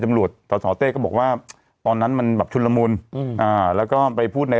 ตำรวจสสเต้ก็บอกว่าตอนนั้นมันแบบชุนละมุนอืมอ่าแล้วก็ไปพูดใน